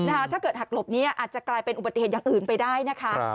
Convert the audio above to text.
ถ้าเกิดหักหลบนี้อาจจะกลายเป็นอุบัติเหตุอย่างอื่นไปได้นะคะ